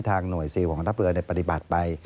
ทางหน่วยซีลของกองทัพเรือเนี่ยปฏิบัติไป